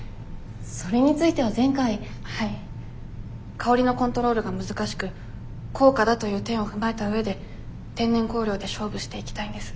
香りのコントロールが難しく高価だという点を踏まえた上で天然香料で勝負していきたいんです。